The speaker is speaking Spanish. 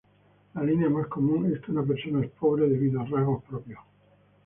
La línea más común es que una persona es pobre debido a rasgos propios.